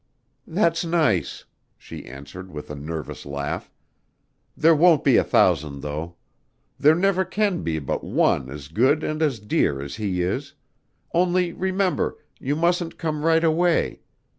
"That's nice!" she answered with a nervous laugh. "There won't be a thousand, though. There never can be but one as good and as dear as he is! Only remember, you mustn't come right away.